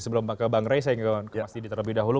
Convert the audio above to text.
sebelum ke bang ray saya ingin ke mas didi terlebih dahulu